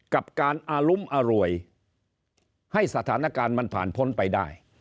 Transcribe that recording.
กับการอารุมอร่วยให้สถานการณ์มันผ่านพ้นไปได้